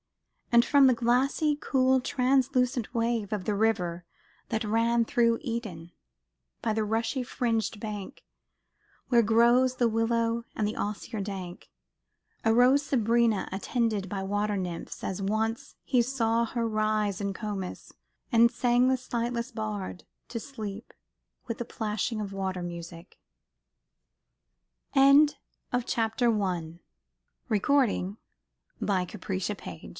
And from the "glassy, cool, translucent wave" of the river that ran through Eden, "by the rushy fringed bank Where grows the willow and the osier dank," arose "Sabrina, attended by water nymphs" as once he saw her rise in Comus, and sang the sightless bard to sleep with the plashing of